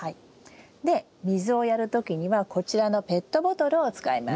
で水をやる時にはこちらのペットボトルを使います。